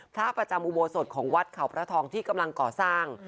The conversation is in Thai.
พระประจำอุโบสถของวัดเขาพระทองที่กำลังก่อสร้าง